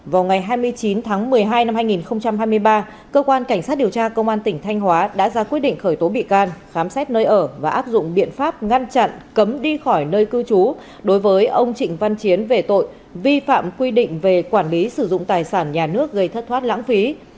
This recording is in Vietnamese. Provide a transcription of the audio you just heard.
vào ngày hai mươi chín tháng một mươi hai năm hai nghìn hai mươi ba cơ quan cảnh sát điều tra công an tỉnh thanh hóa đã ra quyết định khởi tố bị can khám xét nơi ở và áp dụng biện pháp ngăn chặn cấm đi khỏi nơi cư trú đối với ông trịnh văn chiến về tội vi phạm quy định về quản lý sử dụng tài sản nhà nước gây thất thoát lãng phí